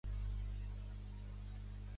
Durant els primers anys va estudiar a Mysore.